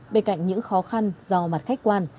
bên cạnh những khó khăn do mặt khách quan